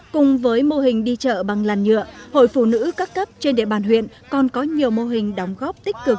cùng với mô hình đi chợ bằng làn nhựa hội phụ nữ các cấp trên địa bàn huyện còn có nhiều mô hình đóng góp tích cực